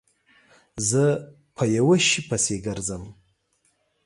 زه په یوه شي پسې گرځم